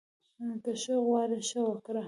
که ښه غواړې، ښه وکړه